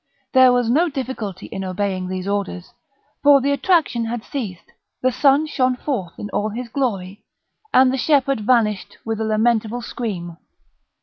There was no difficulty in obeying these orders, for the attraction had ceased; the sun shone forth in all his glory, and the shepherd vanished with a lamentable scream.